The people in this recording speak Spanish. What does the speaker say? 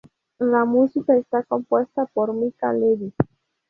La música está compuesta por Mica Levi.